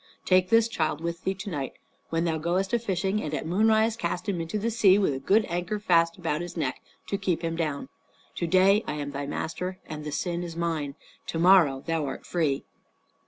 Take this child with thee to night when thou goest a fishing, and at moonrise cast him in the sea, with a good anchor fast about his neck to keep him down. To day I am thy master and the sin is mine. To morrow thou art free."